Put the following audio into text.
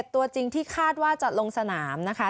ตัวจริงที่คาดว่าจะลงสนามนะคะ